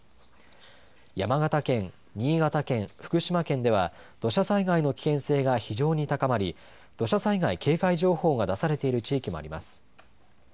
山形県、新潟県福島県では土砂災害の危険性が非常に高まり土砂災害警戒情報が出されている地域もあります。